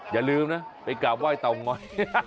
อย่าลืมนะไปกราบไห้เตาง้อย